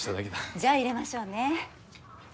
じゃあいれましょうね。